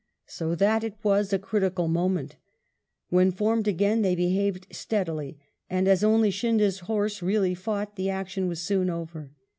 So that it was a critical moment When formed again they be haved steadily, and as only Scindia's horse really fought, the action was soon over.